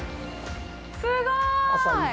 すごい！